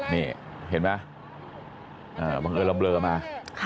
นี่เห็นไหมบังเอิญเราเบลอมา